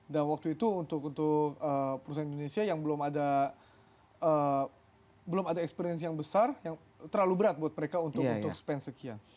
dan waktu itu untuk perusahaan indonesia yang belum ada experience yang besar yang terlalu berat buat mereka untuk spend sekian